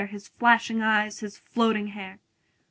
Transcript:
His flashing eyes, his floating hair!